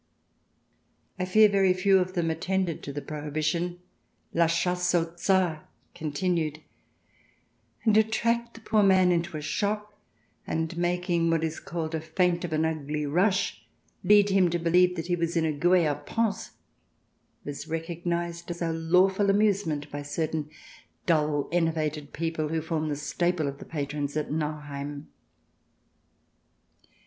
I fear very few of them attended to the prohibition. " La chasse au Tsar " continued, and to track the poor man into a shop, and, making what is called a feint of an " ugly rush," lead him to believe that he was in a guet apens, was recognized as a lawful amusement by certain dull, enervated people, who form the staple of the patrons of Nauheim.